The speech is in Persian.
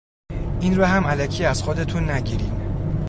این رو هم الکی از خودتون نگیرین.